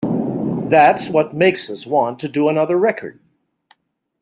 That's what makes us want to do another record.